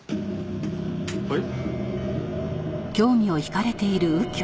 はい？